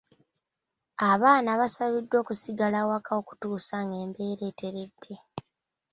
Abaana baasabiddwa okusigala awaka okutuusa embeera ng’eteredde.